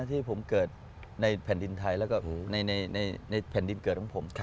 ที่ผมเกิดในแผ่นดินไทยแล้วก็ในแผ่นดินเกิดของผม